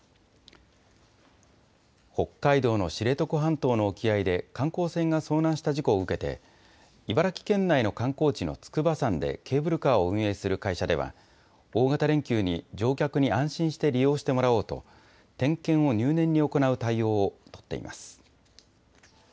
北海道の知床半島の沖合で観光船が遭難した事故を受けて、茨城県内の観光地の筑波山でケーブルカーを運営する会社では、大型連休に乗客に安心して利用してもらおうと、点検を入念に行う対応を取っています。